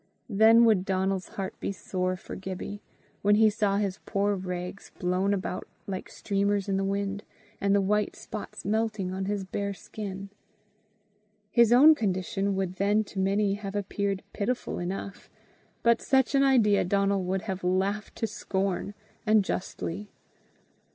Then would Donal's heart be sore for Gibbie, when he saw his poor rags blown about like streamers in the wind, and the white spots melting on his bare skin. His own condition would then to many have appeared pitiful enough, but such an idea Donal would have laughed to scorn, and justly.